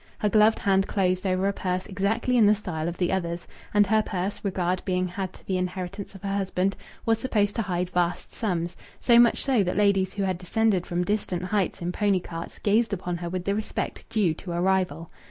Her gloved hand closed over a purse exactly in the style of the others. And her purse, regard being had to the inheritance of her husband, was supposed to hide vast sums; so much so that ladies who had descended from distant heights in pony carts gazed upon her with the respect due to a rival.